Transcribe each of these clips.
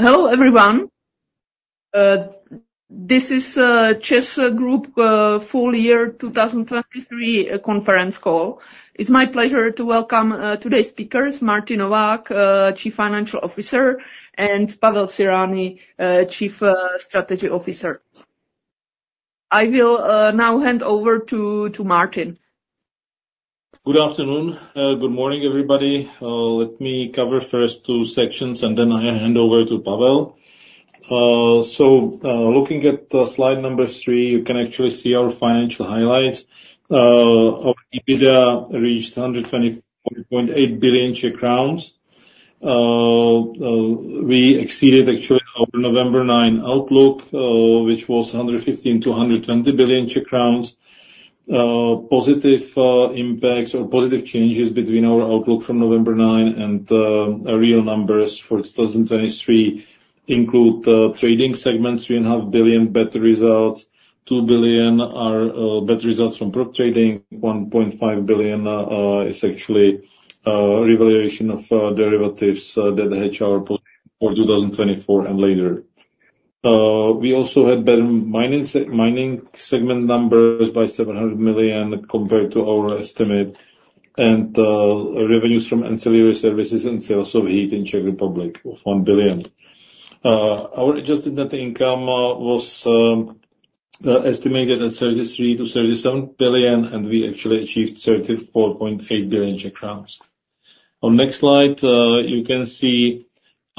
Hello everyone, this is ČEZ Group full year 2023 conference call. It's my pleasure to welcome today's speakers, Martin Novák, Chief Financial Officer, and Pavel Cyrani, Chief Strategy Officer. I will now hand over to Martin. Good afternoon, good morning everybody. Let me cover first 2 sections and then I hand over to Pavel. Looking at slide number 3, you can actually see our financial highlights. Our EBITDA reached 124.8 billion Czech crowns. We exceeded actually our November 9 outlook, which was 115 billion-120 billion Czech crowns. Positive impacts or positive changes between our outlook from November 9 and real numbers for 2023 include trading segments 3.5 billion better results; 2 billion are better results from prop trading; 1.5 billion is actually revaluation of derivatives that hedge our position for 2024 and later. We also had better mining segment numbers by 700 million compared to our estimate, and revenues from ancillary services and sales of heat in Czech Republic of 1 billion. Our adjusted net income was estimated at 33 billion-37 billion, and we actually achieved 34.8 billion Czech crowns. On next slide, you can see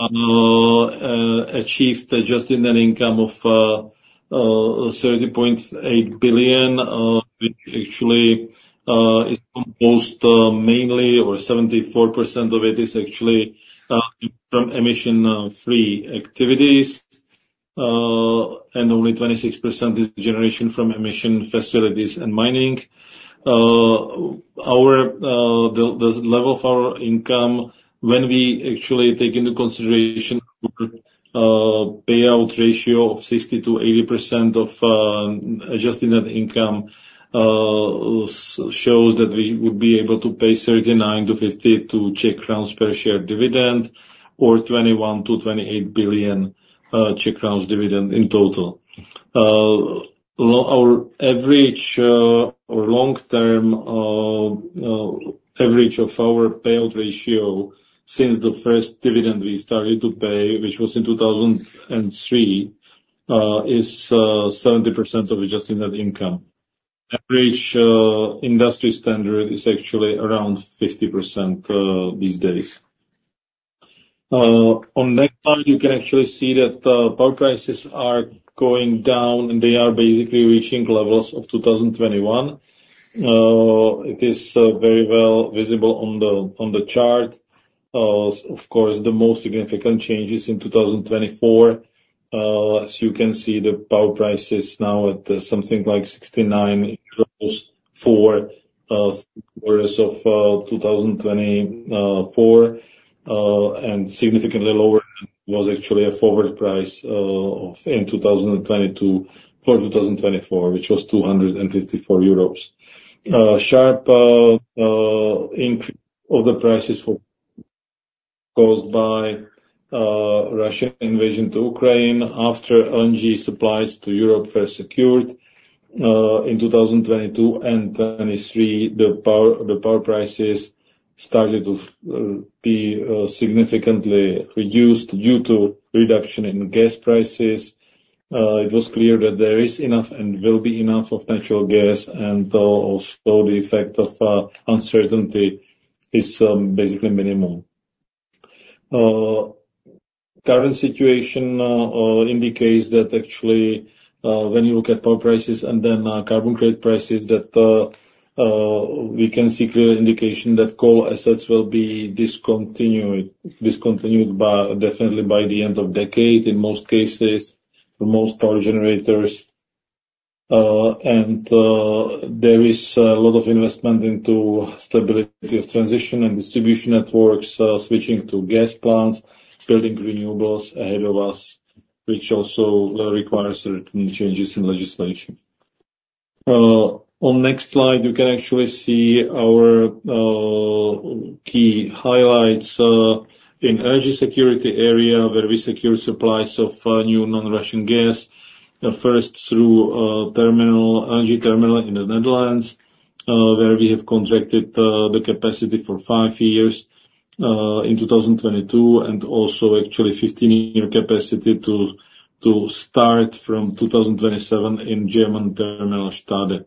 achieved adjusted net income of 30.8 billion, which actually is composed mainly or 74% of it is actually from emission-free activities, and only 26% is generation from emission facilities and mining. Our the level of our income when we actually take into consideration our payout ratio of 60%-80% of adjusted net income shows that we would be able to pay 39-52 Czech crowns per share dividend, or 21-28 billion Czech crowns dividend in total. So our average, or long-term average of our payout ratio since the first dividend we started to pay, which was in 2003, is 70% of adjusted net income. Average industry standard is actually around 50% these days. On next slide, you can actually see that power prices are going down, and they are basically reaching levels of 2021. It is very well visible on the chart. Of course, the most significant change is in 2024. As you can see, the power price is now at something like 69 euros for three quarters of 2024, and significantly lower than was actually a forward price in 2022 for 2024, which was 254 euros. Sharp increase of the prices was caused by Russian invasion to Ukraine after LNG supplies to Europe were secured. In 2022 and 2023, the power prices started to be significantly reduced due to reduction in gas prices. It was clear that there is enough and will be enough of natural gas, and also the effect of uncertainty is basically minimum. Current situation indicates that actually, when you look at power prices and then, carbon credit prices, that, we can see clear indication that coal assets will be discontinued definitely by the end of decade in most cases for most power generators. And, there is, a lot of investment into stability of transition and distribution networks, switching to gas plants, building renewables ahead of us, which also, requires certain changes in legislation. On next slide, you can actually see our, key highlights, in energy security area where we secure supplies of, new non-Russian gas, first through, LNG terminal in the Netherlands, where we have contracted, the capacity for five years, in 2022, and also actually 15-year capacity to, to start from 2027 in German terminal Stade.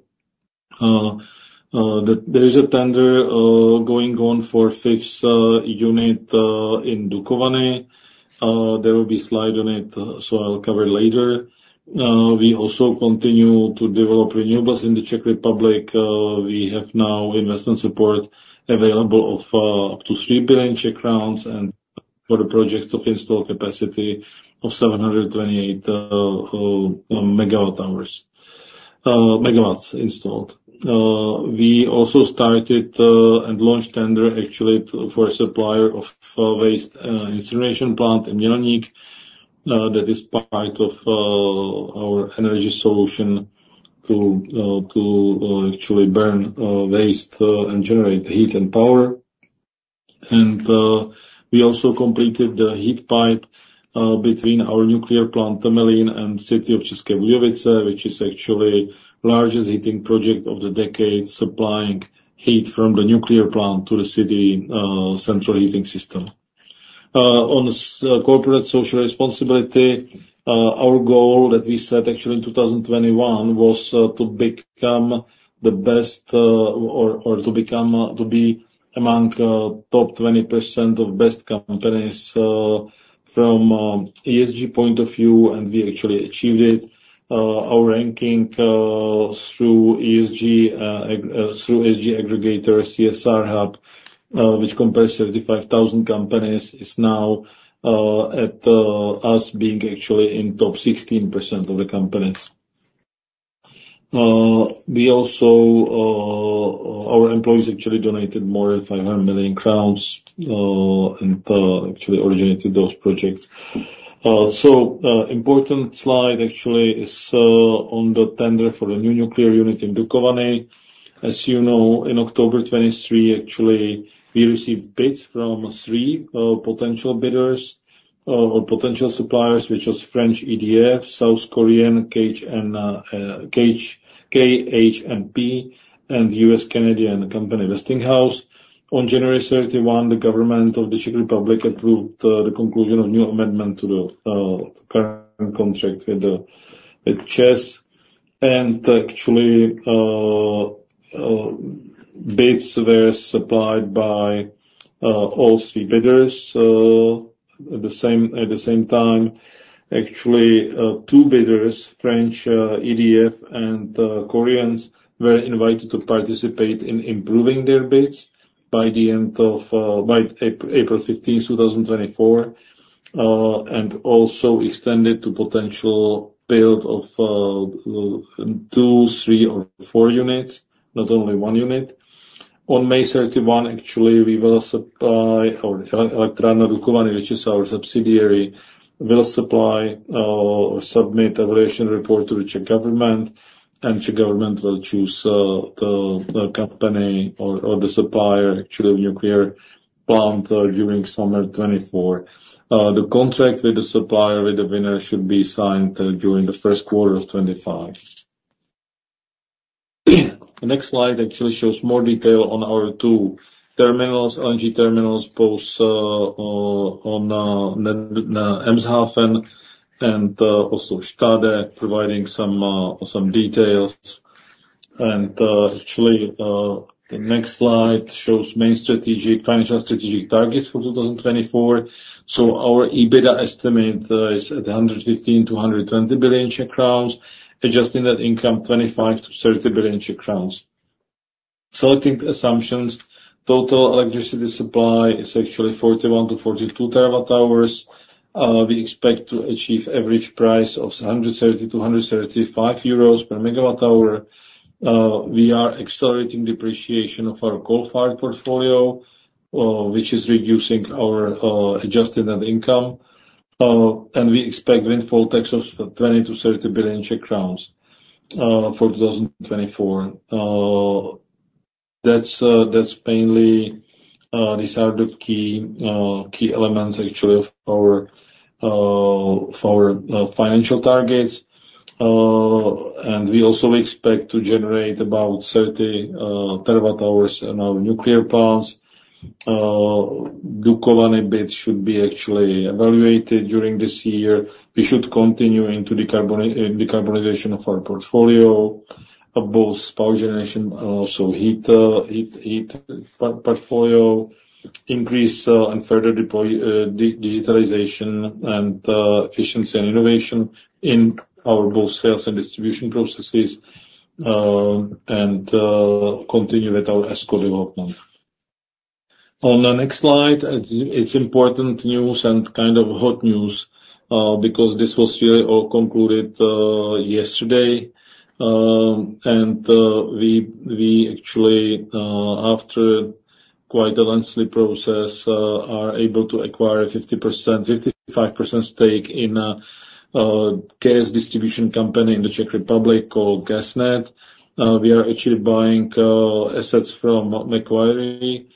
There is a tender, going on for fifth, unit, in Dukovany. There will be a slide on it, so I'll cover it later. We also continue to develop renewables in the Czech Republic. We have now investment support available of up to 3 billion Czech crowns and for the projects to install capacity of 728 megawatts installed. We also started and launched tender actually for a supplier of waste incineration plant in Mělník, that is part of our energy solution to actually burn waste and generate heat and power. We also completed the heat pipe between our nuclear plant Temelín and City of České Budějovice, which is actually largest heating project of the decade supplying heat from the nuclear plant to the city central heating system. On CSR, corporate social responsibility, our goal that we set actually in 2021 was to become the best or to be among top 20% of best companies from ESG point of view, and we actually achieved it. Our ranking through ESG aggregator CSRHub, which compares 35,000 companies, is now at us being actually in top 16% of the companies. We also, our employees actually donated more than 500 million crowns, and actually originated those projects. So, important slide actually is on the tender for the new nuclear unit in Dukovany. As you know, in October 2023, actually, we received bids from 3 potential bidders or potential suppliers, which was French EDF, South Korean KHNP, and U.S.-Canadian company Westinghouse. On January 31, the government of the Czech Republic approved the conclusion of new amendment to the current contract with ČEZ. Actually, bids were supplied by all three bidders at the same time. Actually, two bidders, French EDF and Koreans, were invited to participate in improving their bids by April 15th, 2024, and also extended to potential build of 2, 3, or 4 units, not only 1 unit. On May 31, actually, we will supply or Elektrárna Dukovany, which is our subsidiary, will supply or submit evaluation report to the Czech government, and the Czech government will choose the company or the supplier, actually, of nuclear plant during summer 2024. The contract with the supplier with the winner should be signed during the first quarter of 2025. The next slide actually shows more detail on our two terminals, LNG terminals in Eemshaven and also Stade, providing some details. Actually, the next slide shows main strategic financial targets for 2024. So our EBITDA estimate is at 115 billion-120 billion Czech crowns, adjusted net income 25 billion-30 billion Czech crowns. Key assumptions, total electricity supply is actually 41-42 TWh. We expect to achieve average price of 130-135 euros per MWh. We are accelerating depreciation of our coal-fired portfolio, which is reducing our adjusted net income. And we expect windfall tax of 20 billion-30 billion Czech crowns for 2024. That's mainly these are the key elements actually of our financial targets. And we also expect to generate about 30 TWh in our nuclear plants. Dukovany bids should be actually evaluated during this year. We should continue into decarbonization of our portfolio of both power generation and also heat portfolio, increase, and further deploy digitalization and efficiency and innovation in our both sales and distribution processes, and continue with our ESCO development. On the next slide, it's important news and kind of hot news, because this was really all concluded yesterday. We actually, after quite a lengthy process, are able to acquire a 55% stake in a gas distribution company in the Czech Republic called GasNet. We are actually buying assets from Macquarie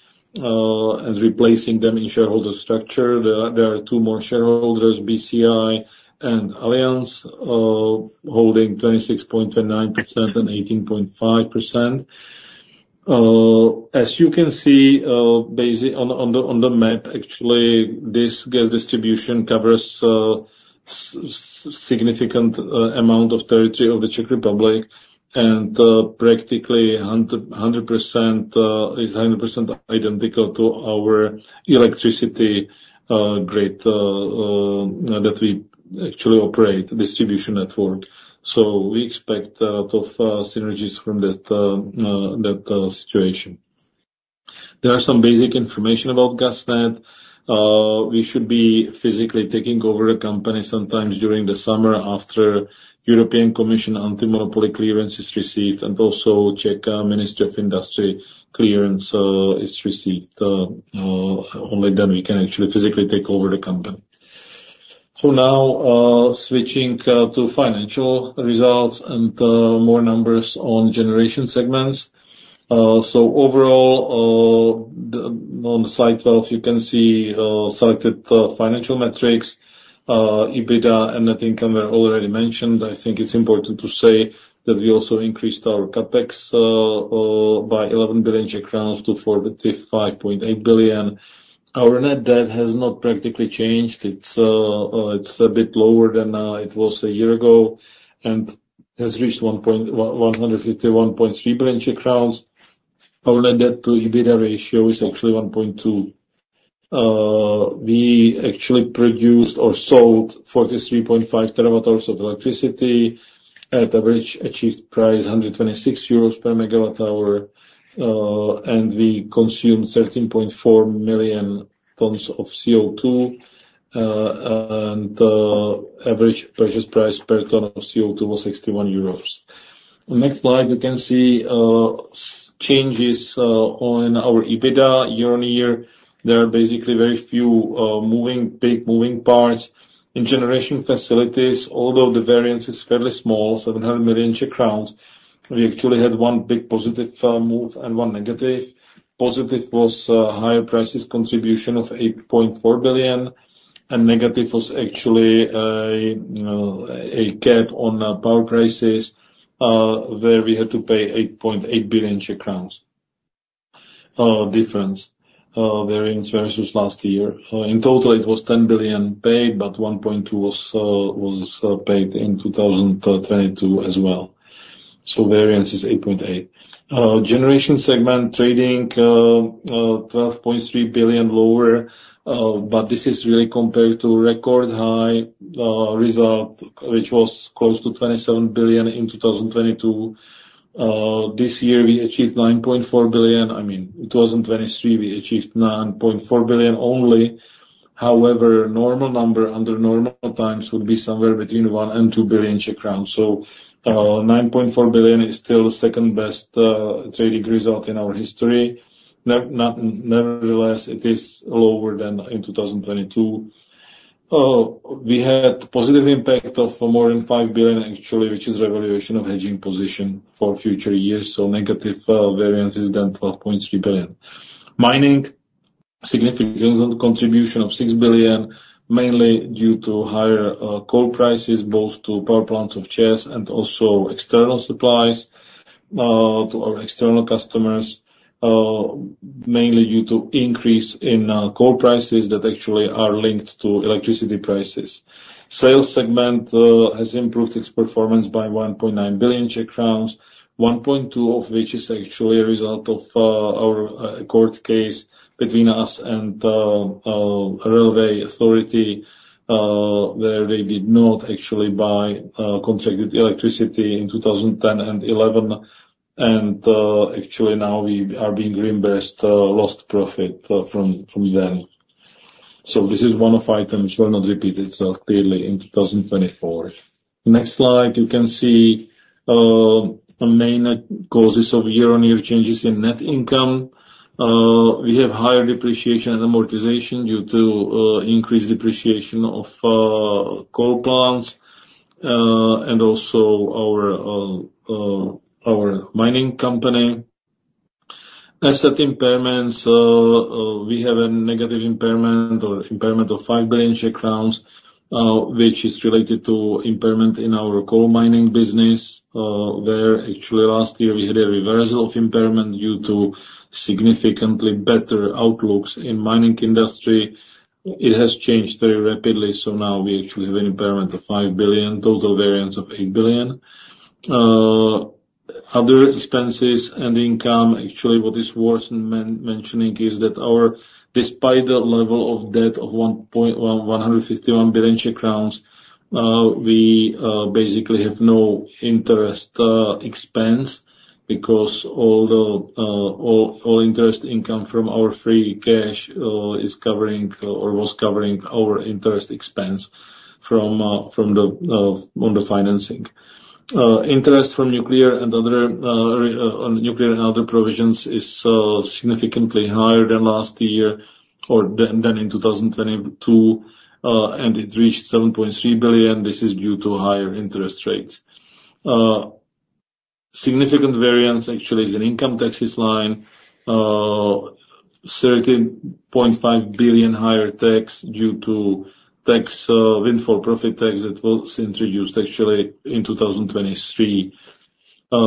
and replacing them in shareholder structure. There are two more shareholders, BCI and Allianz, holding 26.29% and 18.5%. As you can see, based on the map, actually, this gas distribution covers significant amount of territory of the Czech Republic and practically 100% is 100% identical to our electricity grid that we actually operate distribution network. So we expect a lot of synergies from that situation. There are some basic information about GasNet. We should be physically taking over the company sometime during the summer after European Commission anti-monopoly clearance is received and also Czech Ministry of Industry clearance is received. Only then we can actually physically take over the company. So now switching to financial results and more numbers on generation segments. So overall, on slide 12, you can see selected financial metrics. EBITDA and net income were already mentioned. I think it's important to say that we also increased our CAPEX by 11 billion Czech crowns to 45.8 billion. Our net debt has not practically changed. It's a bit lower than it was a year ago and has reached 115.3 billion Czech crowns. Our net debt to EBITDA ratio is actually 1.2. We actually produced or sold 43.5 TWh of electricity at average achieved price 126 euros per MWh, and we consumed 13.4 million tons of CO2, and average purchase price per ton of CO2 was 61 euros. On the next slide, you can see the changes on our EBITDA year-on-year. There are basically very few big moving parts. In generation facilities, although the variance is fairly small, 700 million Czech crowns, we actually had one big positive move and one negative. Positive was higher prices contribution of 8.4 billion, and negative was actually a, you know, a gap on power prices, where we had to pay 8.8 billion Czech crowns difference, variance versus last year. In total, it was 10 billion paid, but 1.2 billion was paid in 2022 as well. So variance is 8.8. Generation segment trading, 12.3 billion lower, but this is really compared to record high result, which was close to 27 billion in 2022. This year, we achieved 9.4 billion. I mean, in 2023, we achieved 9.4 billion only. However, normal number under normal times would be somewhere between 1 billion and 2 billion Czech crowns. So, 9.4 billion is still the second best trading result in our history. Nevertheless, it is lower than in 2022. We had positive impact of more than 5 billion, actually, which is revaluation of hedging position for future years. So negative variance is then 12.3 billion. Mining [had a] significant contribution of 6 billion, mainly due to higher coal prices both to power plants of CEZ and also external supplies to our external customers, mainly due to increase in coal prices that actually are linked to electricity prices. Sales segment has improved its performance by 1.9 billion Czech crowns, 1.2 of which is actually a result of our court case between us and Railway Authority, where they did not actually buy contracted electricity in 2010 and 2011. And actually now we are being reimbursed lost profit from them. So this is one of items [that] will not repeat itself clearly in 2024. Next slide, you can see the main causes of year-on-year changes in net income. We have higher depreciation and amortization due to increased depreciation of coal plants and also our mining company. Asset impairments, we have a negative impairment or impairment of 5 billion Czech crowns, which is related to impairment in our coal mining business, where actually last year, we had a reversal of impairment due to significantly better outlooks in mining industry. It has changed very rapidly, so now we actually have an impairment of 5 billion, total variance of 8 billion. Other expenses and income, actually, what is worth mentioning is that despite our level of debt of 115.1 billion Czech crowns, we basically have no interest expense because all the, all, all interest income from our free cash is covering or was covering our interest expense from, from the, on the financing. Interest on nuclear and other provisions is significantly higher than last year or than in 2022, and it reached 7.3 billion. This is due to higher interest rates. significant variance actually is in the income taxes line, 30.5 billion higher tax due to the windfall profit tax that was introduced actually in 2023.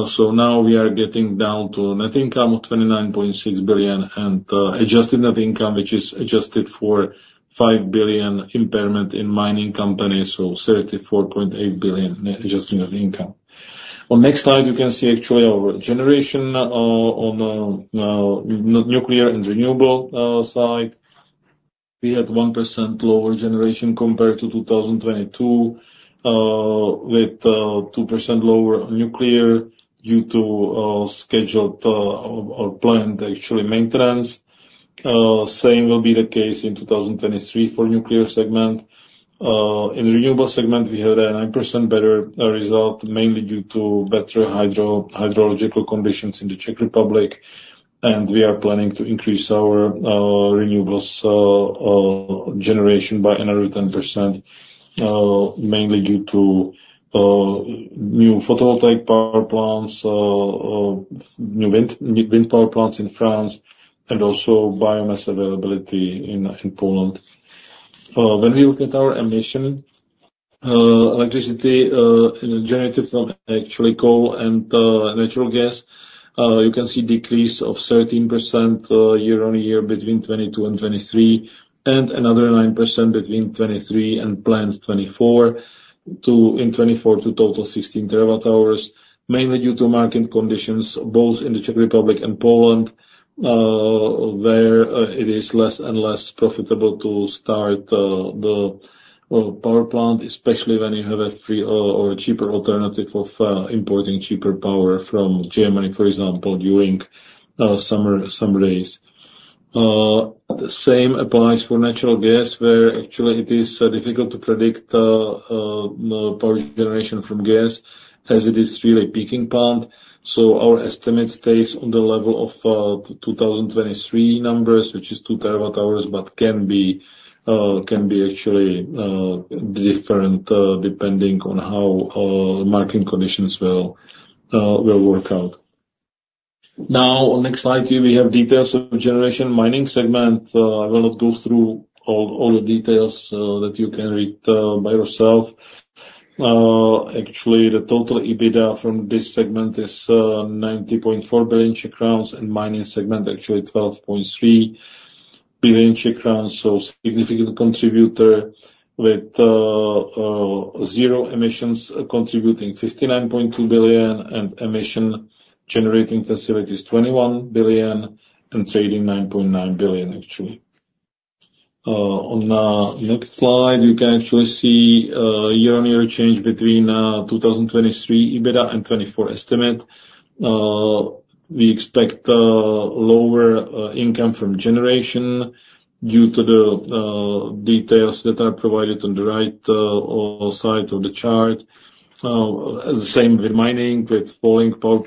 So now we are getting down to net income of 29.6 billion and adjusted net income, which is adjusted for 5 billion impairment in mining company, so 34.8 billion non-adjusted net income. On the next slide, you can see actually our generation on the nuclear and renewable side. We had 1% lower generation compared to 2022, with 2% lower nuclear due to scheduled or planned actually maintenance. The same will be the case in 2023 for the nuclear segment. the renewable segment, we have a 9% better result mainly due to better hydro-hydrological conditions in the Czech Republic, and we are planning to increase our renewables generation by another 10%, mainly due to new photovoltaic power plants, new wind power plants in France, and also biomass availability in Poland. When we look at our emission electricity generated from actually coal and natural gas, you can see decrease of 13% year-on-year between 2022 and 2023 and another 9% between 2023 and planned 2024 to in 2024 to total 16 terawatt-hours, mainly due to market conditions both in the Czech Republic and Poland, where it is less and less profitable to start the power plant, especially when you have a free or a cheaper alternative of importing cheaper power from Germany, for example, during summer days. The same applies for natural gas, where actually it is difficult to predict power generation from gas as it is really peaking plant. So our estimate stays on the level of 2023 numbers, which is 2 TWh, but can be, can be actually different, depending on how market conditions will, will work out. Now, on next slide, here, we have details of generation mining segment. I will not go through all, all the details that you can read by yourself. Actually, the total EBITDA from this segment is 90.4 billion Czech crowns, and mining segment actually 12.3 billion Czech crowns, so significant contributor with zero emissions contributing 59.2 billion and emission generating facilities 21 billion and trading 9.9 billion, actually. On next slide, you can actually see year-on-year change between 2023 EBITDA and 2024 estimate. We expect lower income from generation due to the details that are provided on the right side of the chart. The same with mining. With falling power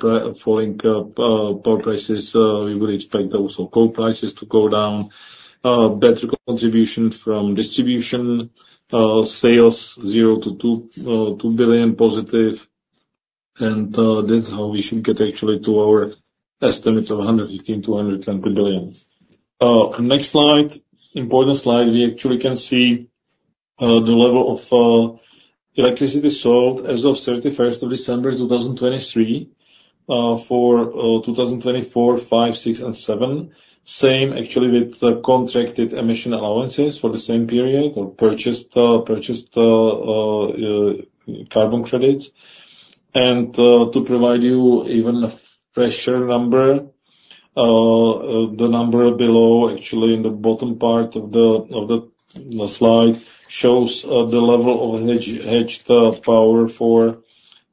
prices, we would expect also coal prices to go down. Better contribution from distribution, sales 0-2.2 billion positive. And that's how we should get actually to our estimates of 115-220 billion. Next slide, important slide. We actually can see the level of electricity sold as of 31st of December 2023, for 2024, 2005, 2006, and 2007. Same actually with contracted emission allowances for the same period or purchased carbon credits. And to provide you even a fresher number, the number below actually in the bottom part of the slide shows the level of hedged power for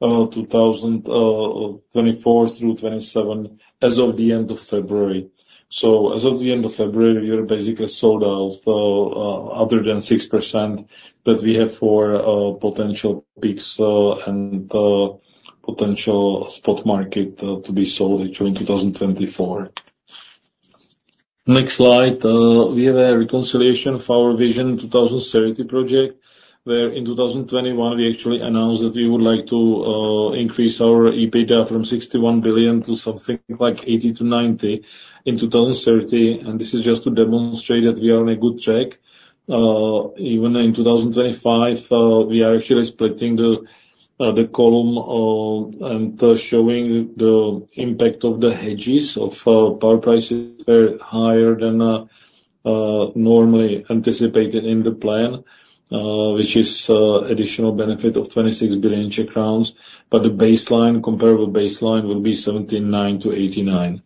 2024 through 2027 as of the end of February. So as of the end of February, we are basically sold out, other than 6% that we have for potential peaks and potential spot market to be sold actually in 2024. Next slide. We have a reconciliation of our Vision 2030 project where in 2021, we actually announced that we would like to increase our EBITDA from 61 billion to something like 80 billion-90 billion in 2030. And this is just to demonstrate that we are on a good track. Even in 2025, we are actually splitting the column and showing the impact of the hedges of power prices were higher than normally anticipated in the plan, which is additional benefit of 26 billion Czech crowns, but the baseline comparable baseline would be 79 billion-89 billion.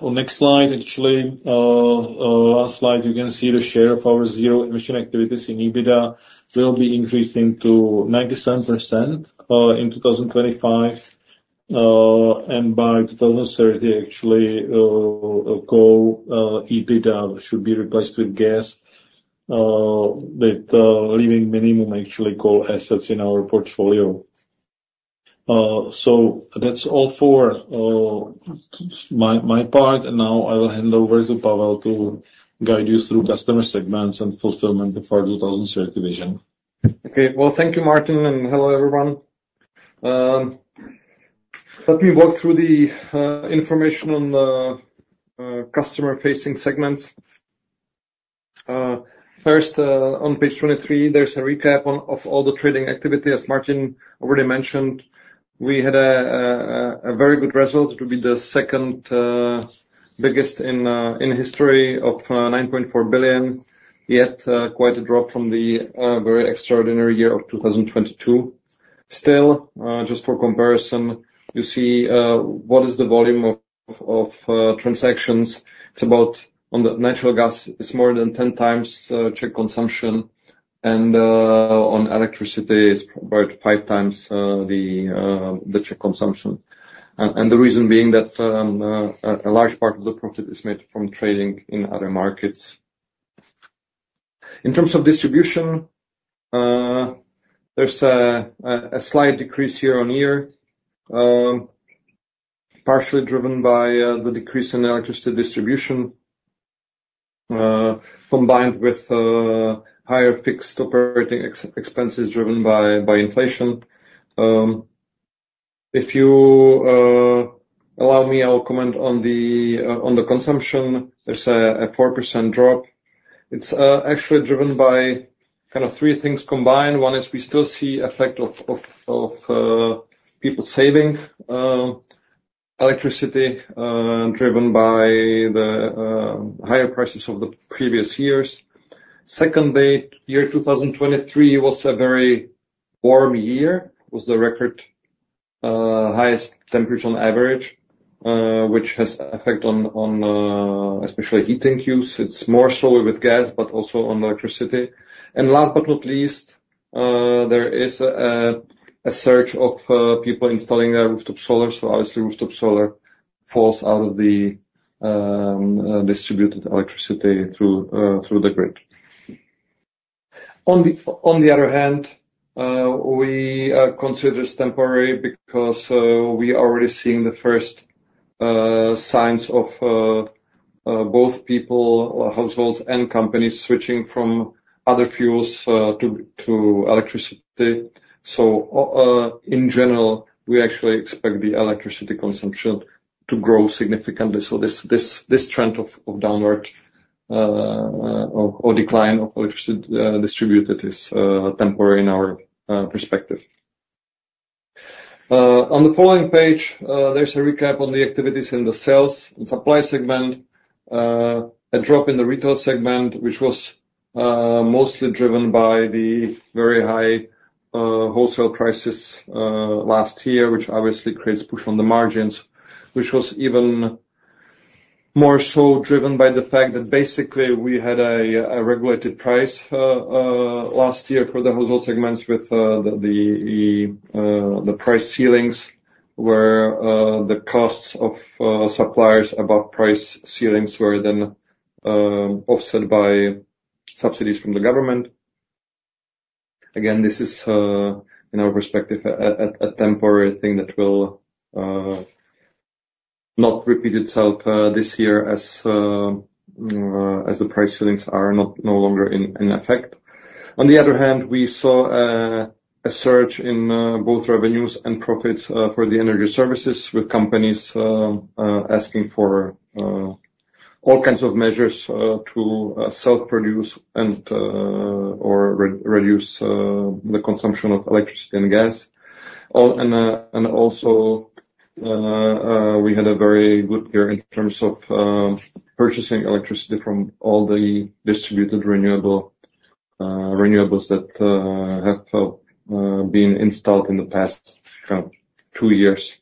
On next slide, actually, last slide, you can see the share of our zero emission activities in EBITDA will be increasing to 0.90% in 2025. And by 2030, actually, coal EBITDA should be replaced with gas, with leaving minimum actually coal assets in our portfolio. So that's all for my part. And now I will hand over to Pavel to guide you through customer segments and fulfillment of our 2030 vision. Okay. Well, thank you, Martin. And hello, everyone. Let me walk through the information on the customer-facing segments. First, on page 23, there's a recap of all the trading activity. As Martin already mentioned, we had a very good result to be the second biggest in history of 9.4 billion, yet quite a drop from the very extraordinary year of 2022. Still, just for comparison, you see, what is the volume of transactions. It's about, on the natural gas, it's more than 10 times Czech consumption. And on electricity, it's about 5 times the Czech consumption. And the reason being that, a large part of the profit is made from trading in other markets. In terms of distribution, there's a slight decrease year-on-year, partially driven by the decrease in electricity distribution, combined with higher fixed operating expenses driven by inflation. If you allow me, I'll comment on the consumption. There's a 4% drop. It's actually driven by kind of three things combined. One is we still see the effect of people saving electricity, driven by the higher prices of the previous years. Secondly, year 2023 was a very warm year. It was the record highest temperature on average, which has effect on especially heating use. It's more so with gas, but also on electricity. Last but not least, there is a surge of people installing their rooftop solar. So obviously, rooftop solar falls out of the distributed electricity through the grid. On the other hand, we consider it temporary because we are already seeing the first signs of both people, households and companies switching from other fuels to electricity. In general, we actually expect the electricity consumption to grow significantly. So this trend of downward or decline of electricity distributed is temporary in our perspective. On the following page, there's a recap on the activities in the sales and supply segment, a drop in the retail segment, which was mostly driven by the very high wholesale prices last year, which obviously creates push on the margins, which was even more so driven by the fact that basically we had a regulated price last year for the household segments with the price ceilings where the costs of suppliers above price ceilings were then offset by subsidies from the government. Again, this is, in our perspective, a temporary thing that will not repeat itself this year as the price ceilings are no longer in effect. On the other hand, we saw a surge in both revenues and profits for the energy services with companies asking for all kinds of measures to self-produce and or reduce the consumption of electricity and gas. And also, we had a very good year in terms of purchasing electricity from all the distributed renewables that have been installed in the past two years.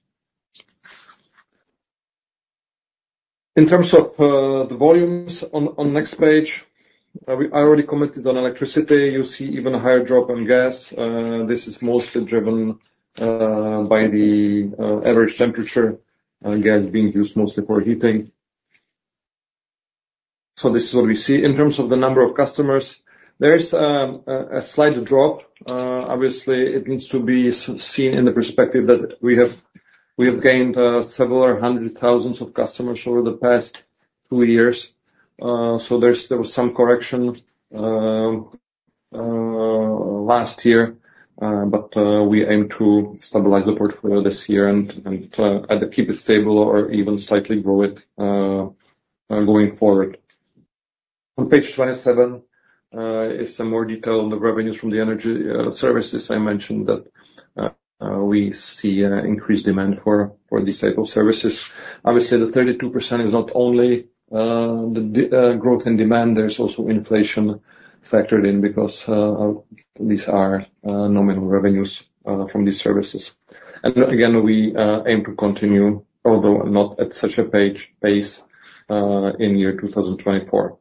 In terms of the volumes on the next page, I already commented on electricity. You see even a higher drop on gas. This is mostly driven by the average temperature, gas being used mostly for heating. So this is what we see in terms of the number of customers. There is a slight drop. Obviously, it needs to be seen in the perspective that we have gained several hundred thousands of customers over the past two years. So there was some correction last year, but we aim to stabilize the portfolio this year and either keep it stable or even slightly grow it, going forward. On page 27 is some more detail on the revenues from the energy services. I mentioned that we see an increased demand for these types of services. Obviously, the 32% is not only the growth in demand. There's also inflation factored in because these are nominal revenues from these services. And again, we aim to continue, although not at such a high pace, in year 2024.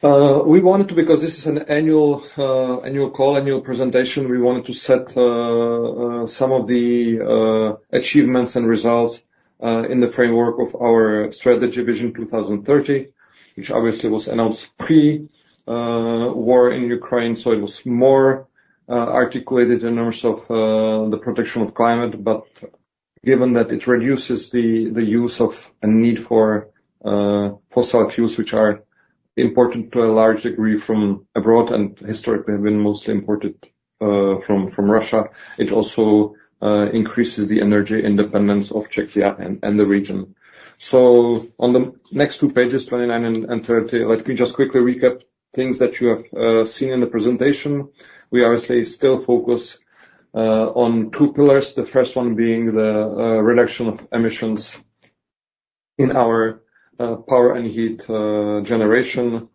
We wanted to because this is an annual call, annual presentation. We wanted to set some of the achievements and results in the framework of our strategy Vision 2030, which obviously was announced pre-war in Ukraine. So it was more articulated in terms of the protection of climate. But given that it reduces the use of and need for fossil fuels, which are important to a large degree from abroad and historically have been mostly imported from Russia, it also increases the energy independence of Czechia and the region. So on the next two pages, 29 and 30, let me just quickly recap things that you have seen in the presentation. We obviously still focus on two pillars, the first one being the reduction of emissions in our power and heat generation,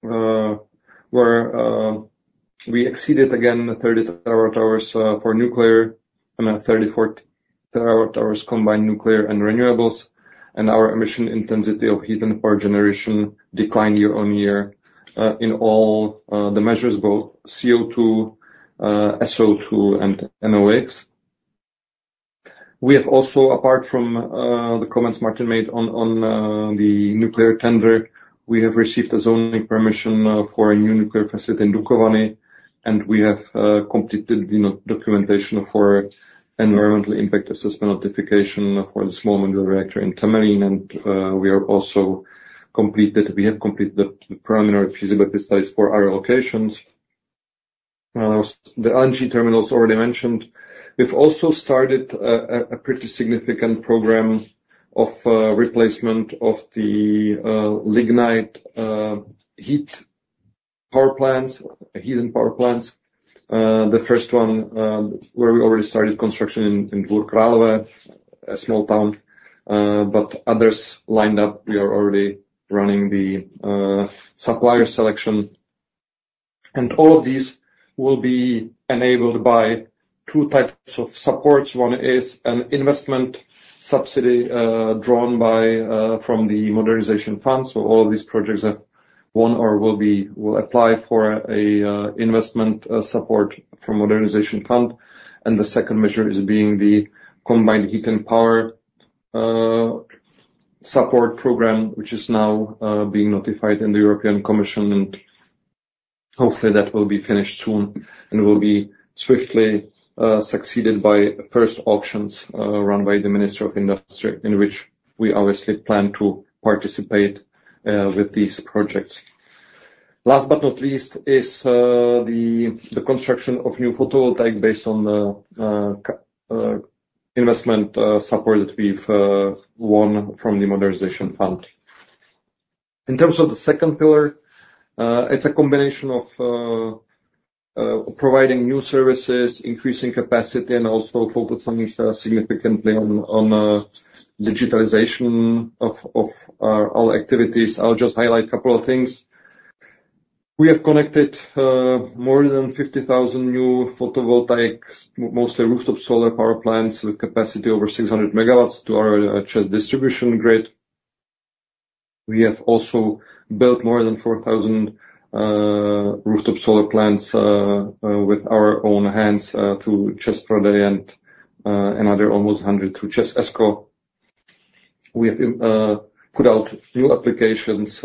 where we exceeded again 30 TWh for nuclear and 34 TWh combined nuclear and renewables. And our emission intensity of heat and power generation declined year-over-year in all the measures, both CO2, SO2, and NOx. We have also, apart from the comments Martin made on the nuclear tender, we have received a zoning permission for a new nuclear facility in Dukovany. And we have completed the documentation for environmental impact assessment notification for the small modular reactor in Temelín. We have completed the preliminary feasibility studies for our locations. There was the LNG terminals already mentioned. We've also started a pretty significant program of replacement of the lignite heating power plants. The first one, where we already started construction in Dvůr Králové, a small town, but others lined up. We are already running the supplier selection. And all of these will be enabled by two types of supports. One is an investment subsidy drawn from the Modernisation Fund. So all of these projects have won or will apply for investment support from the Modernisation Fund. And the second measure is the Combined Heat and Power support program, which is now being notified in the European Commission. And hopefully, that will be finished soon and will be swiftly succeeded by first auctions run by the Ministry of Industry in which we obviously plan to participate with these projects. Last but not least is the construction of new photovoltaic based on the investment support that we've won from the Modernisation Fund. In terms of the second pillar, it's a combination of providing new services, increasing capacity, and also focus significantly on digitalization of all activities. I'll just highlight a couple of things. We have connected more than 50,000 new photovoltaics, mostly rooftop solar power plants with capacity over 600 MW to our Czech distribution grid. We have also built more than 4,000 rooftop solar plants with our own hands through ČEZ Prodej and another almost 100 through ČEZ ESCO. We have put out new applications,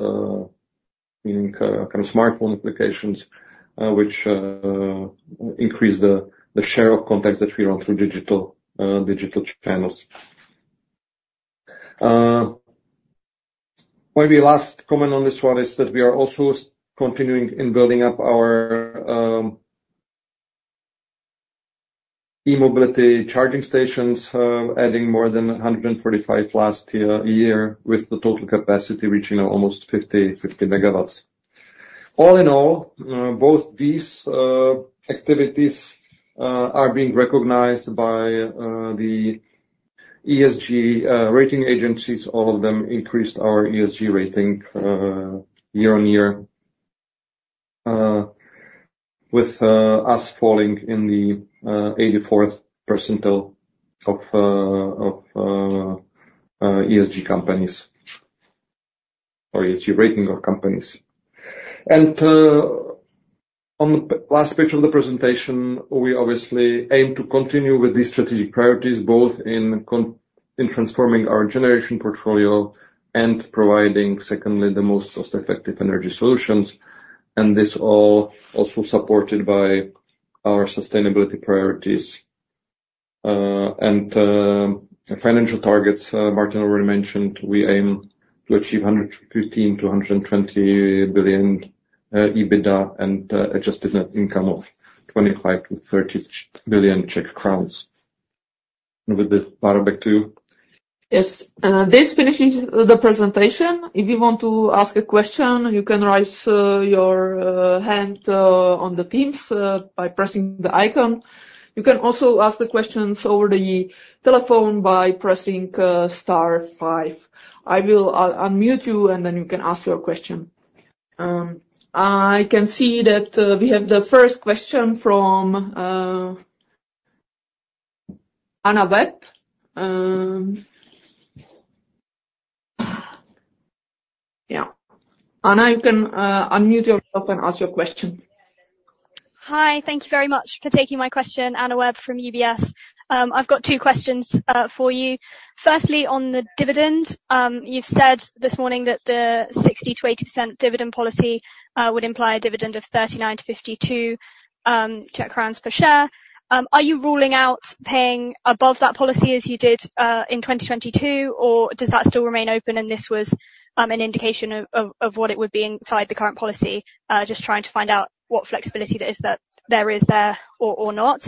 meaning kind of smartphone applications, which increase the share of contacts that we run through digital channels. Maybe last comment on this one is that we are also continuing in building up our e-mobility charging stations, adding more than 145 last year with the total capacity reaching almost 50 MW. All in all, both these activities are being recognized by the ESG rating agencies. All of them increased our ESG rating year-on-year with us falling in the 84th percentile of ESG companies or ESG rating of companies. On the last page of the presentation, we obviously aim to continue with these strategic priorities, both in continuing transforming our generation portfolio and providing, secondly, the most cost-effective energy solutions. And this all also supported by our sustainability priorities, and financial targets. Martin already mentioned, we aim to achieve 115 billion-120 billion EBITDA and adjusted net income of 25 billion-30 billion Czech crowns. And with this, Bára, back to you. Yes. This finishes the presentation. If you want to ask a question, you can raise your hand on the Teams by pressing the icon. You can also ask the questions over the telephone by pressing star 5. I will unmute you, and then you can ask your question. I can see that we have the first question from Anna Webb. Yeah. Anna, you can unmute yourself and ask your question. Hi. Thank you very much for taking my question, Anna Webb from UBS. I've got two questions for you. Firstly, on the dividend, you've said this morning that the 60%-80% dividend policy would imply a dividend of 39-52 Czech crowns per share. Are you ruling out paying above that policy as you did in 2022, or does that still remain open? And this was an indication of what it would be inside the current policy, just trying to find out what flexibility there is or not.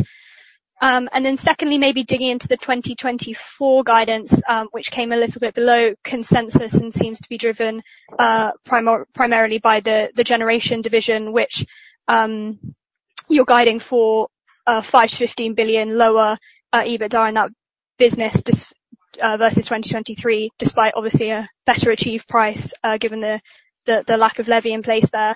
And then secondly, maybe digging into the 2024 guidance, which came a little bit below consensus and seems to be driven primarily by the generation division, which you're guiding for 5 billion-15 billion lower EBITDA in that business this versus 2023, despite obviously a better achieved price, given the lack of levy in place there.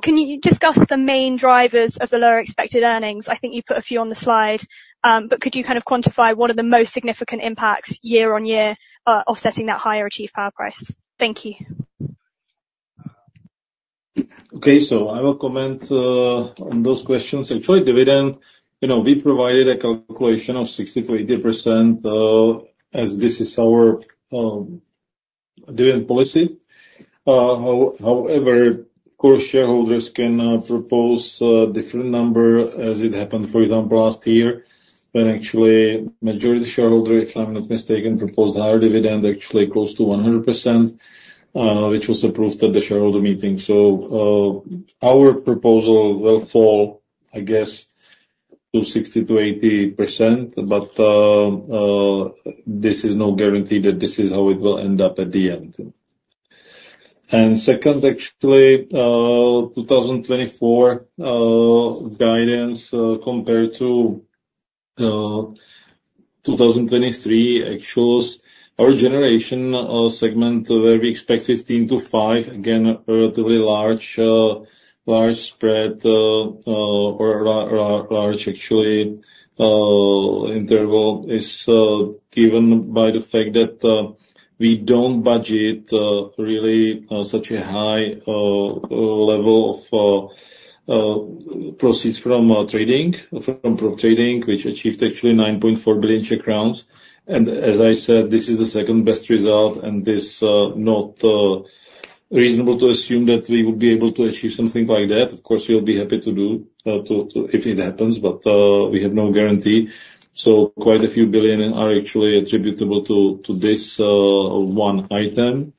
Can you discuss the main drivers of the lower expected earnings? I think you put a few on the slide, but could you kind of quantify what are the most significant impacts year-on-year, offsetting that higher achieved power price? Thank you. Okay. So I will comment on those questions. Actually, dividend, you know, we provided a calculation of 60%-80%, as this is our dividend policy. However, of course, shareholders can propose different number as it happened, for example, last year when actually majority shareholder, if I'm not mistaken, proposed higher dividend, actually close to 100%, which was approved at the shareholder meeting. So, our proposal will fall, I guess, to 60%-80%. But this is no guarantee that this is how it will end up at the end. And second, actually, 2024 guidance, compared to 2023, actually was our generation segment where we expect 15-5, again, relatively large spread, or large, actually, interval is given by the fact that we don't budget really such a high level of proceeds from trading, from prop trading, which achieved actually 9.4 billion Czech crowns. And as I said, this is the second best result. And this is not reasonable to assume that we would be able to achieve something like that. Of course, we'll be happy to do if it happens. But we have no guarantee. So quite a few billion CZK are actually attributable to this one item.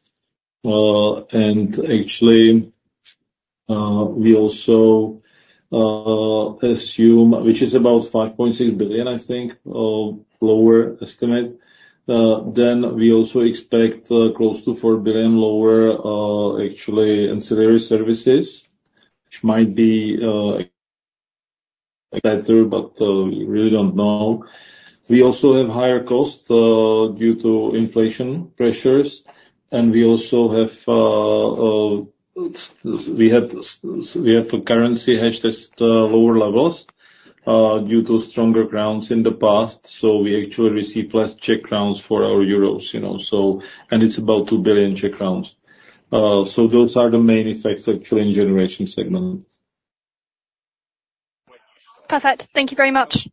Actually, we also assume, which is about 5.6 billion, I think, lower estimate. Then we also expect close to 4 billion lower actually ancillary services, which might be better, but we really don't know. We also have higher cost due to inflation pressures. And we also have a currency hedge test lower levels due to stronger crowns in the past. So we actually receive less Czech crowns for our euros, you know, so and it's about 2 billion. So those are the main effects, actually, in generation segment. Perfect. Thank you very much.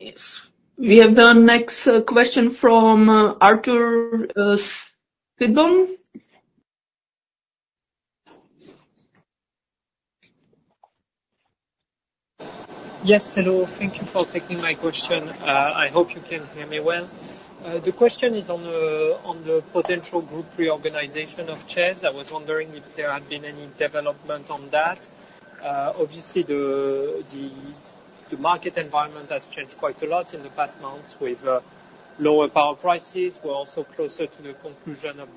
Yes. We have the next question from Arthur Sitbon. Yes. Hello. Thank you for taking my question. I hope you can hear me well. The question is on the potential group reorganization of ČEZ. I was wondering if there had been any development on that. Obviously, the market environment has changed quite a lot in the past months with lower power prices. We're also closer to the conclusion of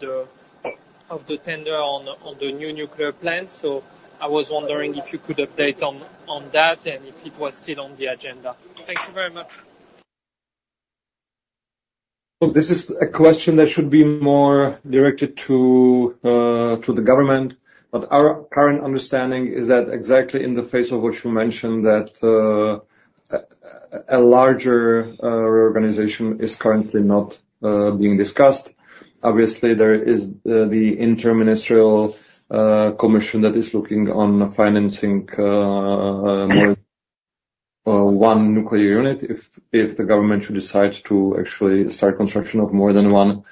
the tender on the new nuclear plant. So I was wondering if you could update on that and if it was still on the agenda. Thank you very much. So this is a question that should be more directed to the government. But our current understanding is that exactly in the face of what you mentioned, a larger reorganization is currently not being discussed. Obviously, there is the interministerial commission that is looking on financing more than one nuclear unit if the government should decide to actually start construction of more than one,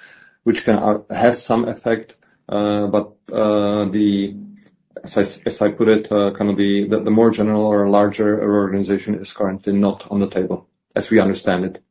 which can have some effect. But as I put it, kind of the more general or larger reorganization is currently not on the table as we understand it.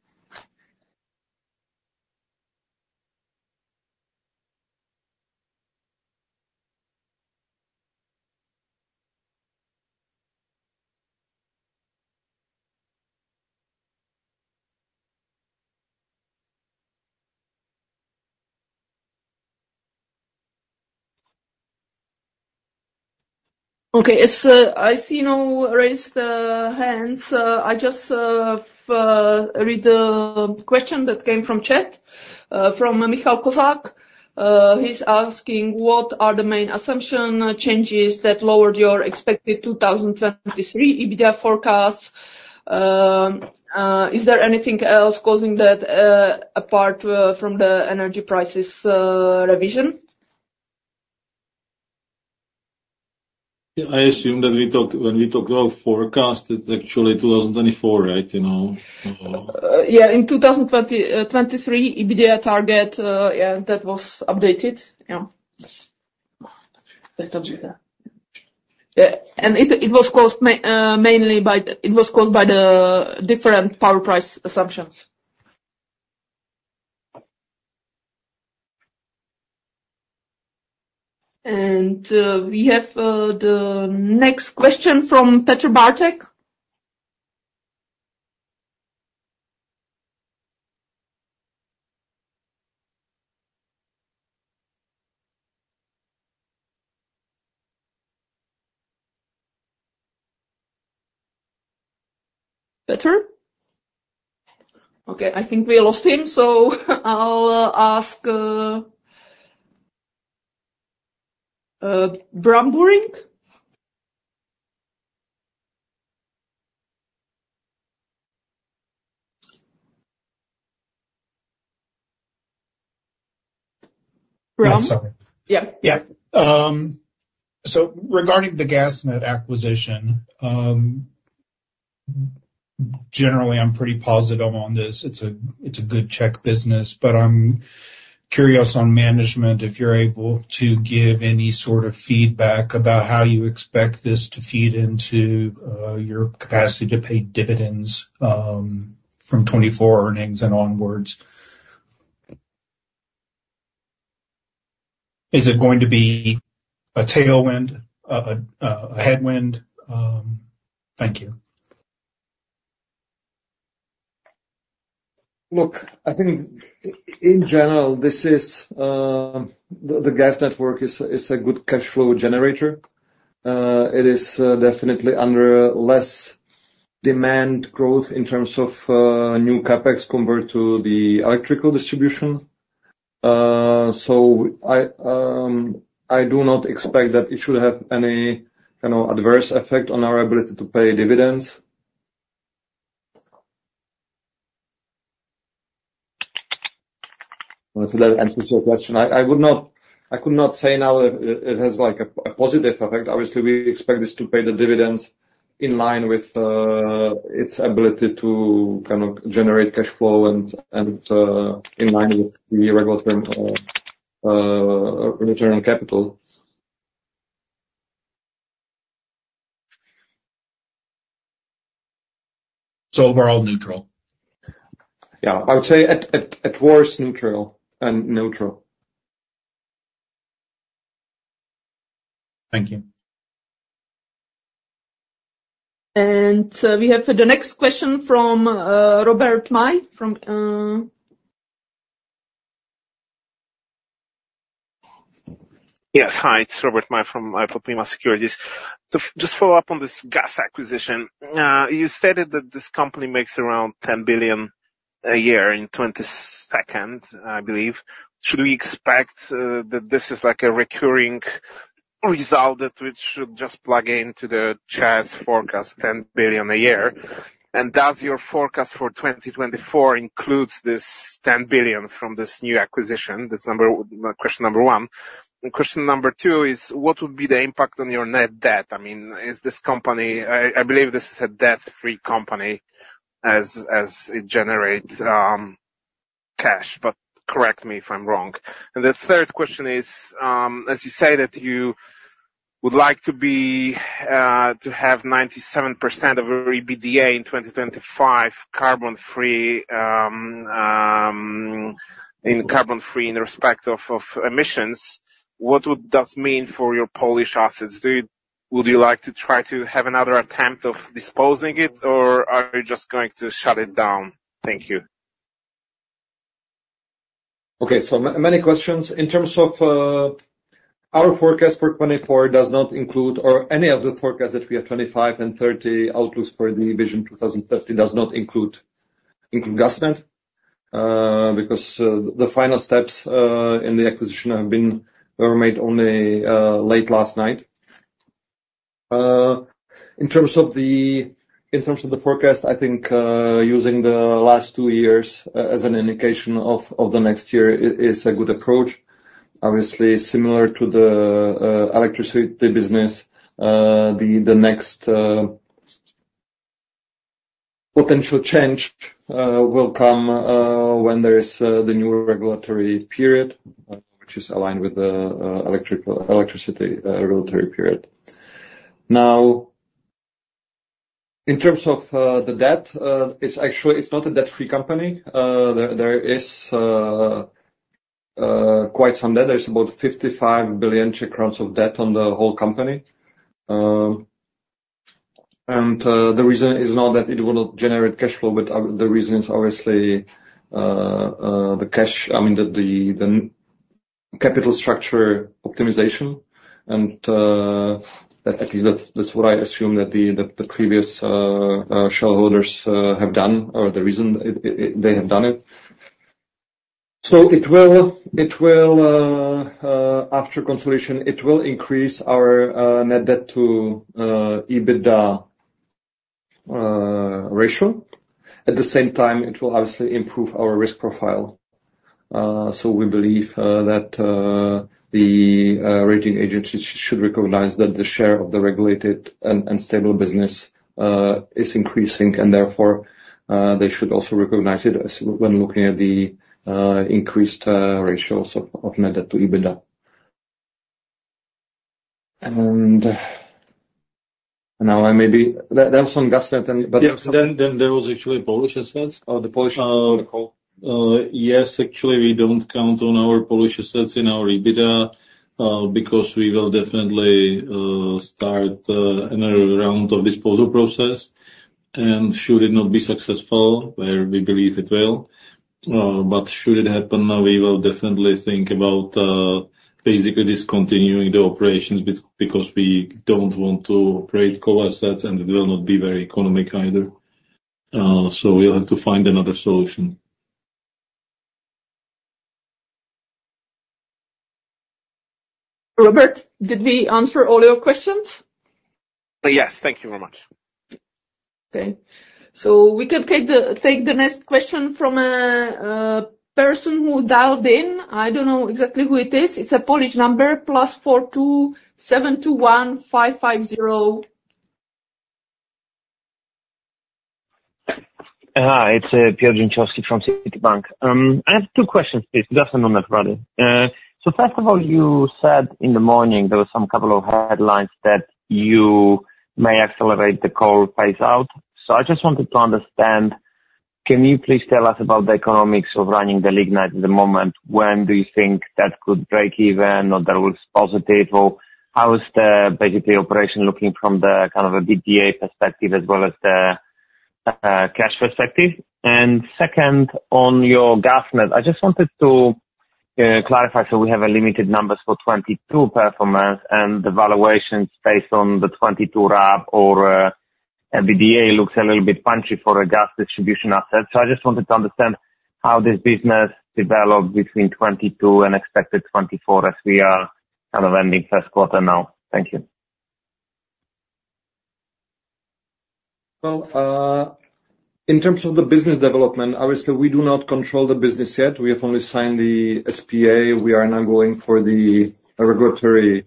Okay. I see no raised hands. I just read the question that came from chat, from Michał Kozak. He's asking, "What are the main assumption changes that lowered your expected 2023 EBITDA forecast? Is there anything else causing that, apart from the energy prices revision?" Yeah. I assume that when we talk now about forecast, it's actually 2024, right, you know? Yeah. In 2023 EBITDA target, yeah, that was updated. Yeah. Yes. That was updated. Yeah. It was caused mainly by the different power price assumptions. We have the next question from Petr Bártek. Petr? Okay. I think we lost him. So I'll ask, Bram Buring? Bram? Yeah. Sorry. Yeah. Yeah. So regarding the GasNet acquisition, generally, I'm pretty positive on this. It's a good Czech business. But I'm curious on management if you're able to give any sort of feedback about how you expect this to feed into your capacity to pay dividends, from 2024 earnings and onwards. Is it going to be a tailwind, a headwind? Thank you. Look, I think in general, this is the GasNet work is a good cash flow generator. It is definitely under less demand growth in terms of new CapEx compared to the electrical distribution. So I do not expect that it should have any, you know, adverse effect on our ability to pay dividends. So that answers your question. I would not, I could not say now that it has like a positive effect. Obviously, we expect this to pay the dividends in line with its ability to kind of generate cash flow and in line with the regular term, return on capital. So overall, neutral. Yeah. I would say at worst, neutral and neutral. Thank you. And we have the next question from Robert Maj. Yes. Hi. It's Robert Maj from IPOPEMA Securities. To just follow up on this Gas acquisition, you stated that this company makes around 10 billion a year in 2022, I believe. Should we expect that this is like a recurring result that which should just plug into the Czech forecast, 10 billion a year? And does your forecast for 2024 include this 10 billion from this new acquisition, this number question number one? And question number two is, what would be the impact on your net debt? I mean, is this company I believe this is a debt-free company as it generates cash. But correct me if I'm wrong. And the third question is, as you say that you would like to be, to have 97% of your EBITDA in 2025 carbon-free, in carbon-free in respect of emissions, what does that mean for your Polish assets? Would you like to try to have another attempt of disposing it, or are you just going to shut it down? Thank you. Okay. So many, many questions. In terms of our forecast for 2024 does not include or any of the forecasts that we have 2025 and 2030 outlooks for the Vision 2030 does not include GasNet, because the final steps in the acquisition were made only late last night. In terms of the forecast, I think using the last two years as an indication of the next year is a good approach. Obviously, similar to the electricity business, the next potential change will come when there is the new regulatory period, which is aligned with the electricity regulatory period. Now, in terms of the debt, it's actually not a debt-free company. There is quite some debt. There's about 55 billion Czech crowns of debt on the whole company. and, the reason is not that it will not generate cash flow, but the reason is obviously the cash—I mean, that the capital structure optimization. And, at least that's what I assume that the previous shareholders have done or the reason they have done it. So it will, after consolidation, increase our net debt to EBITDA ratio. At the same time, it will obviously improve our risk profile. So we believe that the rating agencies should recognize that the share of the regulated and stable business is increasing. And therefore, they should also recognize it when looking at the increased ratios of net debt to EBITDA. And now I maybe there was some GasNet and but there was some. Yeah. Then there was actually Polish assets. Oh, the Polish assets, the call. Yes. Actually, we don't count on our Polish assets in our EBITDA, because we will definitely start another round of disposal process and should it not be successful, where we believe it will. But should it happen, we will definitely think about basically discontinuing the operations because we don't want to operate core assets, and it will not be very economic either. So we'll have to find another solution. Robert, did we answer all your questions? Yes. Thank you very much. Okay. So we could take the next question from a person who dialed in. I don't know exactly who it is. It's a Polish number, +42 721 550. Hi. It's Piotr Dzięciołowski from Citi. I have two questions, please. GasNet and Netrading. So first of all, you said in the morning there was some couple of headlines that you may accelerate the coal phase out. So I just wanted to understand, can you please tell us about the economics of running the lignite at the moment? When do you think that could break even or that will be positive? Or how is the, basically, operation looking from the kind of an EBITDA perspective as well as the, cash perspective? And second, on your GasNet, I just wanted to, clarify. So we have limited numbers for 2022 performance. And the valuations based on the 2022 RAB or, an EBITDA looks a little bit punchy for a gas distribution asset. So I just wanted to understand how this business developed between 2022 and expected 2024 as we are kind of ending first quarter now. Thank you. Well, in terms of the business development, obviously, we do not control the business yet. We have only signed the SPA. We are now going for the regulatory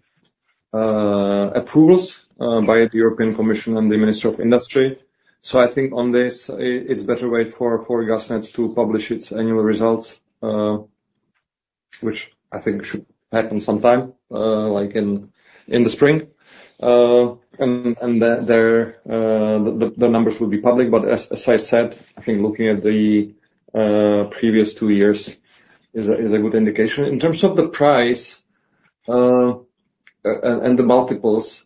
approvals by the European Commission and the Minister of Industry. So I think on this, it's better to wait for GasNet to publish its annual results, which I think should happen sometime, like in the spring. And there, the numbers will be public. But as I said, I think looking at the previous two years is a good indication. In terms of the price and the multiples,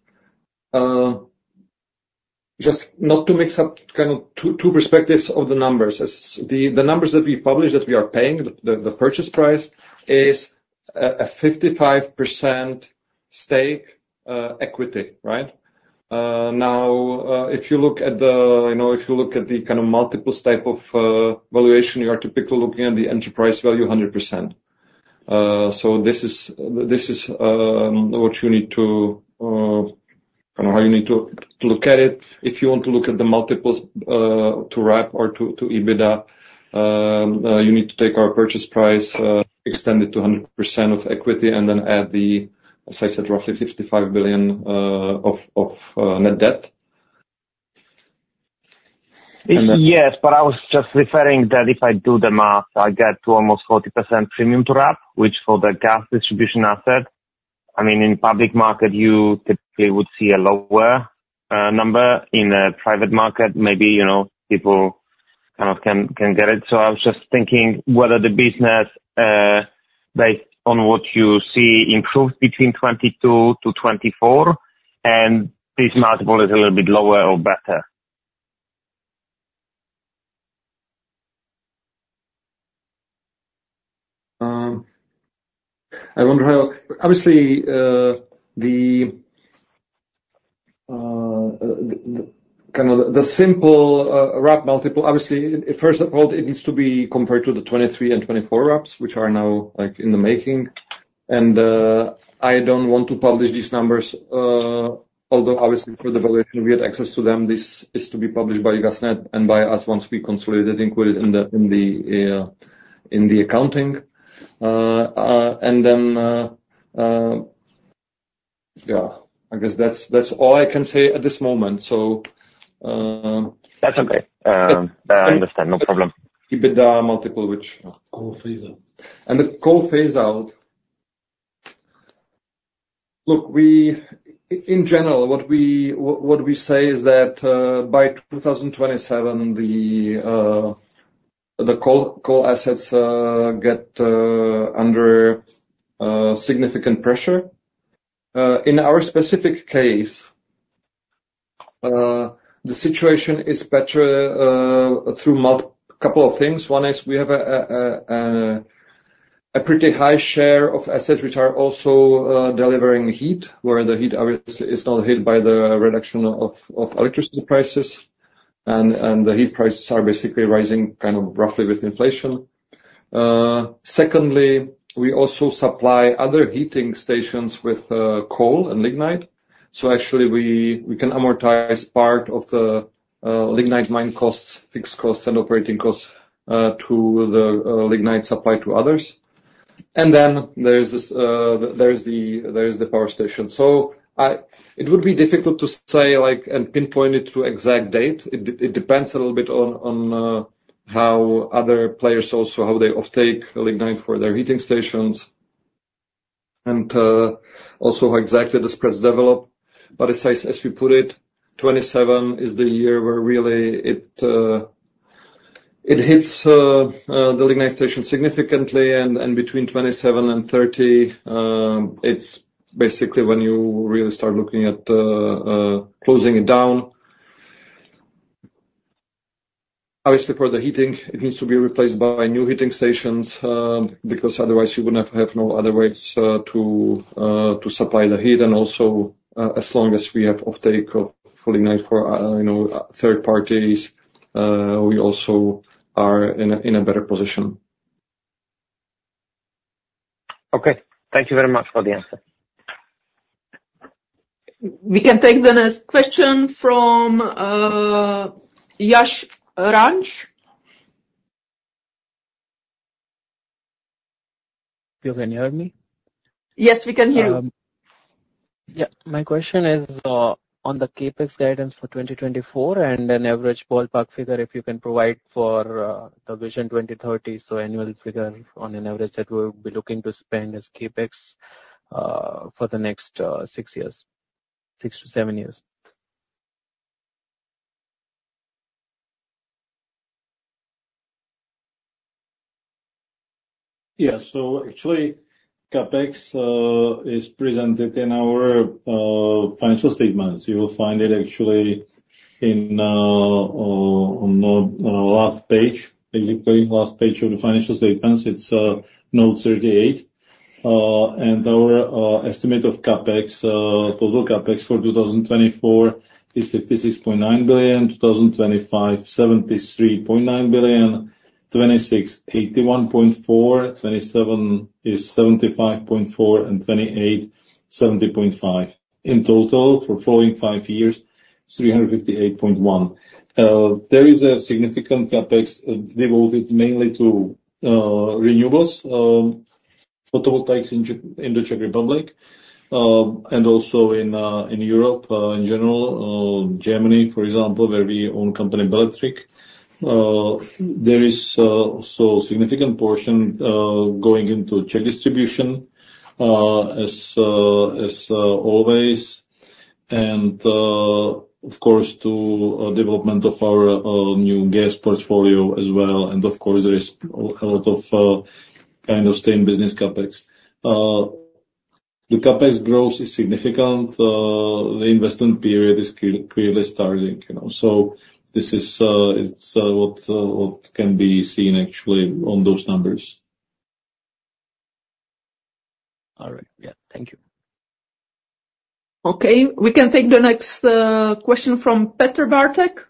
just not to mix up kind of two perspectives of the numbers. As the numbers that we've published that we are paying, the purchase price is a 55% stake, equity, right? Now, if you look at, you know, if you look at the kind of multiples type of valuation, you are typically looking at the enterprise value 100%. So this is what you need to kind of look at it how you need to. If you want to look at the multiples to RAB or to EBITDA, you need to take our purchase price, extend it to 100% of equity, and then add the, as I said, roughly 55 billion of net debt. And then. Yes. But I was just referring that if I do the math, I get to almost 40% premium to RAB, which for the Gas distribution asset I mean, in public market, you typically would see a lower number. In a private market, maybe, you know, people kind of can get it. So I was just thinking whether the business, based on what you see, improves between 2022 to 2024, and this multiple is a little bit lower or better. I wonder how obviously the kind of the simple RAB multiple, obviously it first of all needs to be compared to the 2023 and 2024 RABs, which are now, like, in the making. I don't want to publish these numbers, although obviously for the valuation, we had access to them. This is to be published by GasNet and by us once we consolidate it, include it in the accounting, and then, yeah. I guess that's all I can say at this moment. So that's okay. I understand. No problem. EBITDA multiple, which yeah. Coal phase out. And the coal phase out look, we in general, what we say is that, by 2027, the coal assets get under significant pressure. In our specific case, the situation is better, through a couple of things. One is we have a pretty high share of assets which are also delivering heat, where the heat, obviously, is not hit by the reduction of electricity prices. And the heat prices are basically rising kind of roughly with inflation. Second, we also supply other heating stations with coal and lignite. So actually, we can amortize part of the lignite mine costs, fixed costs, and operating costs to the lignite supply to others. And then there's the power station. So it would be difficult to say, like, and pinpoint it to exact date. It depends a little bit on how other players also how they uptake lignite for their heating stations and also how exactly the spreads develop. But as we put it, 2027 is the year where really it hits the Lignite station significantly. And between 2027 and 2030, it's basically when you really start looking at closing it down. Obviously, for the heating, it needs to be replaced by new heating stations, because otherwise, you wouldn't have no other ways to supply the heat. And also, as long as we have uptake for Lignite for, you know, third parties, we also are in a better position. Okay. Thank you very much for the answer. We can take the next question from Yashraj Sankpal. Piotr, Can you hear me? Yes. We can hear you. Yeah. My question is on the CapEx guidance for 2024 and an average ballpark figure if you can provide for the Vision 2030, so annual figure on an average that we'll be looking to spend as CapEx for the next six years six to seven years. Yeah. So actually, CapEx is presented in our financial statements. You will find it actually in on the last page, basically, last page of the financial statements. It's Note 38. And our estimate of CapEx, total CapEx for 2024 is 56.9 billion, 2025, 73.9 billion, 2026, 81.4 billion, 2027 is 75.4 billion, and 2028, 70.5 billion. In total, for the following five years, 358.1 billion. There is a significant CapEx devoted mainly to renewables, photovoltaics in Czech in the Czech Republic, and also in Europe, in general, Germany, for example, where we own company Belectric. There is also a significant portion going into Czech distribution, as always. Of course, to development of our new gas portfolio as well. Of course, there is a lot of kind of staying business CapEx. The CapEx growth is significant. The investment period is clearly starting, you know. So this is what can be seen, actually, on those numbers. All right. Yeah. Thank you. Okay. We can take the next question from Petr Bártek.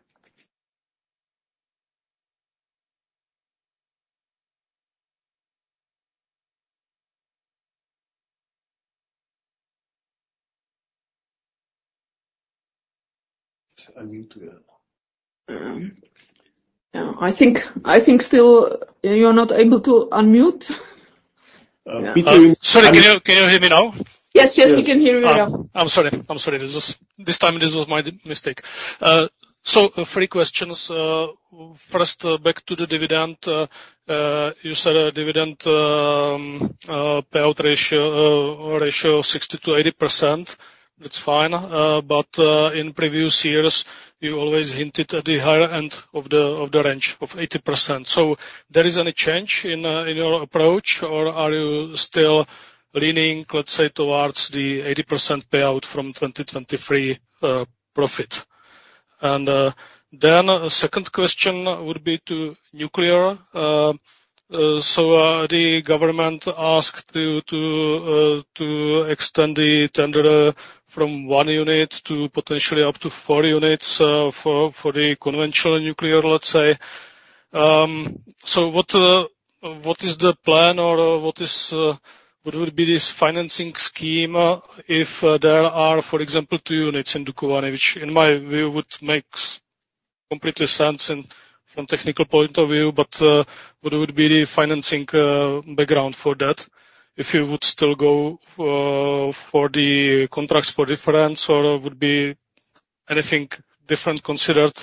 I need to, yeah. Yeah. I think still you're not able to unmute. Petr, can you hear? Sorry. Can you hear me now? Yes. We can hear you now. I'm sorry. This was, this time, my mistake. So three questions. First, back to the dividend. You said a dividend payout ratio of 60%-80%. That's fine. In previous years, you always hinted at the higher end of the range of 80%. So is there any change in your approach, or are you still leaning, let's say, towards the 80% payout from 2023 profit? Then a second question would be to nuclear. The government asked you to extend the tender from one unit to potentially up to four units for the conventional nuclear, let's say. So what is the plan, or what would be this financing scheme if there are, for example, two units in Dukovany, which, in my view, would make complete sense from a technical point of view? But what would be the financing background for that if you would still go for the contracts for difference, or would anything different be considered,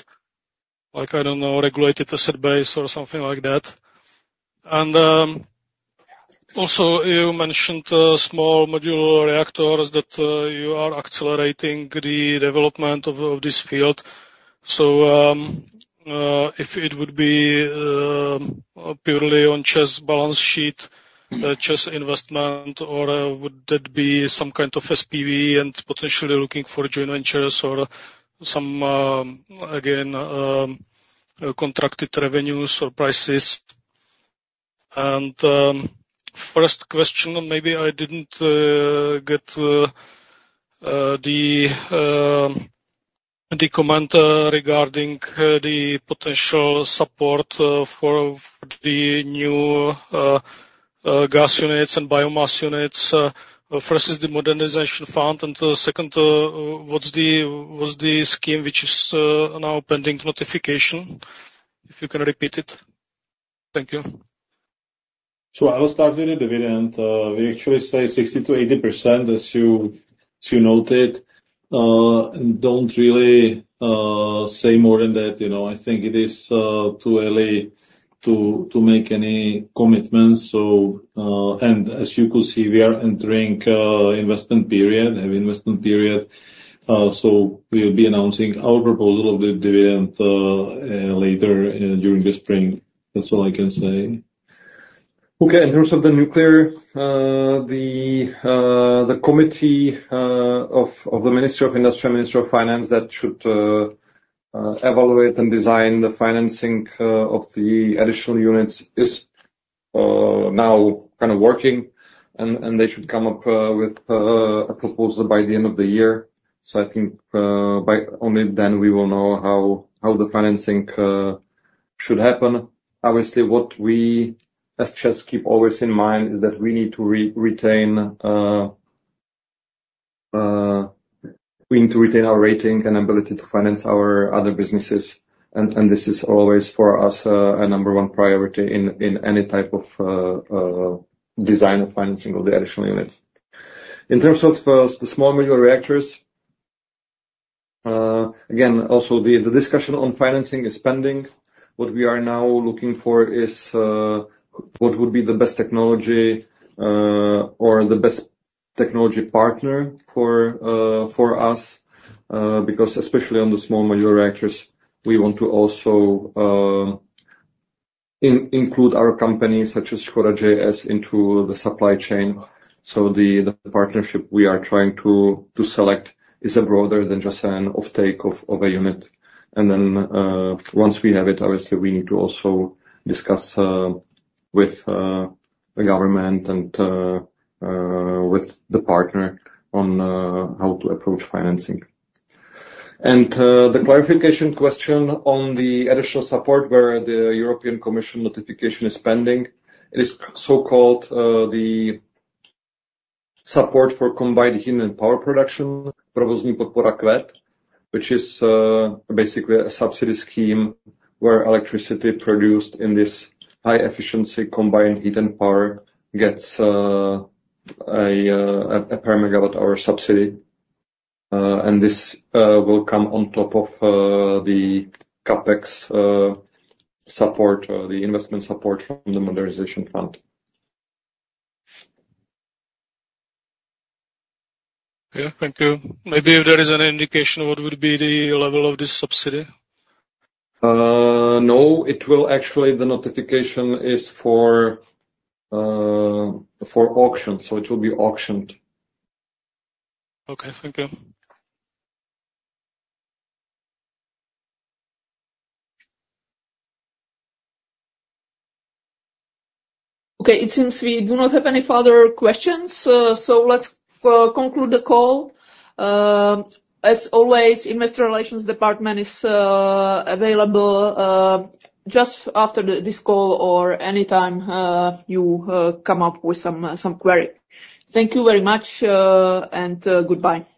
like, I don't know, regulated asset base or something like that? And also, you mentioned small modular reactors that you are accelerating the development of this field. So if it would be purely on Czech balance sheet, Czech investment, or would that be some kind of SPV and potentially looking for joint ventures or some again contracted revenues or prices? And first question, maybe I didn't get the comment regarding the potential support for the new gas units and biomass units versus the modernization fund. And the second, what's the scheme which is now pending notification? If you can repeat it. Thank you. So I will start with the dividend. We actually say 60%-80%, as you as you noted. Don't really say more than that, you know. I think it is too early to make any commitments. So, as you could see, we are entering investment period, heavy investment period. So we'll be announcing our proposal of the dividend later, during the spring. That's all I can say. Okay. In terms of the nuclear, the committee of the Ministry of Industry and Ministry of Finance that should evaluate and design the financing of the additional units is now kind of working. And they should come up with a proposal by the end of the year. So I think, by only then we will know how the financing should happen. Obviously, what we as Czechs keep always in mind is that we need to retain our rating and ability to finance our other businesses. And this is always for us a number one priority in any type of design of financing of the additional units. In terms of the small modular reactors, again, also, the discussion on financing is pending. What we are now looking for is what would be the best technology or the best technology partner for us, because especially on the small modular reactors, we want to also include our company, such as Škoda JS, into the supply chain. So the partnership we are trying to select is broader than just an uptake of a unit. Then, once we have it, obviously, we need to also discuss with the government and with the partner on how to approach financing. The clarification question on the additional support where the European Commission notification is pending, it is so-called the support for combined heat and power production, provozní podpora CHP, which is basically a subsidy scheme where electricity produced in this high-efficiency combined heat and power gets a, a, a per megawatt-hour subsidy. And this will come on top of the CapEx support or the investment support from the modernization fund. Yeah. Thank you. Maybe if there is an indication, what would be the level of this subsidy? No. It will actually the notification is for for auction. So it will be auctioned. Okay. Thank you. Okay. It seems we do not have any further questions. So let's conclude the call. As always, Investor Relations Department is available just after this call or any time you come up with some query. Thank you very much, and goodbye. Goodbye.